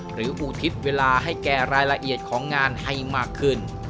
อุทิศเวลาให้แก่รายละเอียดของงานให้มากขึ้น